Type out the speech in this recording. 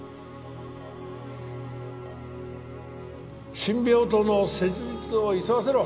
新病棟の設立を急がせろ